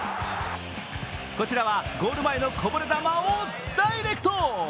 こちらはゴール前のこぼれ球をダイレクト。